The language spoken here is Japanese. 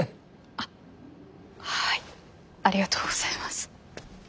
あっはいありがとうございます。